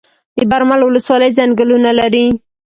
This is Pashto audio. د برمل ولسوالۍ ځنګلونه لري